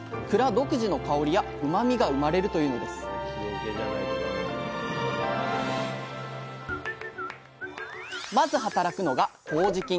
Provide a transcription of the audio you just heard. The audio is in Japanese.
独自の香りやうまみが生まれるというのですまず働くのがこうじ菌。